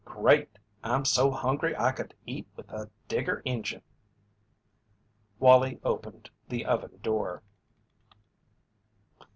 "Great! I'm so hungry I could eat with a Digger Injun." Wallie opened the oven door.